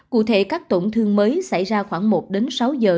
cụ thể các tổn thương mới xảy ra khoảng một đến sáu giờ